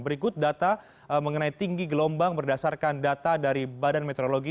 berikut data mengenai tinggi gelombang berdasarkan data dari badan meteorologi